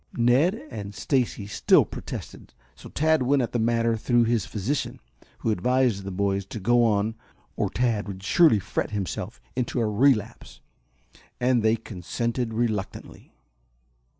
Ned and Stacy still protested, so Tad went at the matter through his physician, who advised the boys to go on or Tad would surely fret himself into a relapse, and they consented reluctantly.